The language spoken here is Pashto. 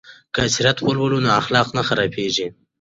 که سیرت ولولو نو اخلاق نه خرابیږي.